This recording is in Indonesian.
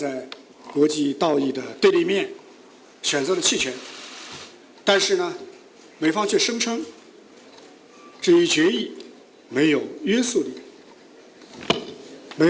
amerika tidak berani berterus di antara negara negara yang berpikir berdiri